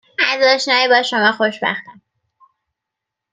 از آشنایی با شما خوشبختم